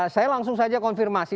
saya langsung saja konfirmasi